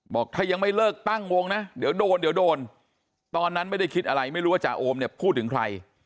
บอกถ้ายังไม่เลิกตั้งวงนะเดี๋ยวโดนเดี๋ยวโดนตอนนั้นไม่ได้คิดอะไรไม่รู้ว่าจ่าโอมเนี่ยพูดถึงใคร